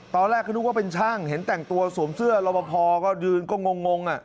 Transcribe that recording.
ตอนแรกก็นึกว่าเป็นช่างเห็นแต่งตัวสวมเสื้อรอบพอก็ยืนก็งง